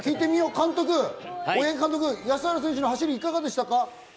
監督、安原選手の走りはいかがでしたか？